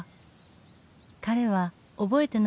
「彼は覚えてないと思う」